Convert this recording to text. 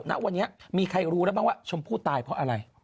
ณวันนี้มีใครรู้แล้วบ้างว่าชมพู่ตายเพราะอะไร